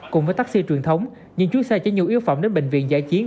cùng với taxi truyền thống những chú xe chế nhu yếu phẩm đến bệnh viện giải chiến